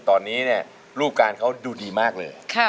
ตอนนี้รูปการณ์เขาดูดีมากเลย